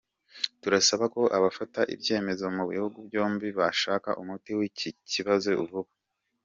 Turasaba ko abafata ibyemezo mu bihugu byombi bashaka umuti w’iki kibazo vuba.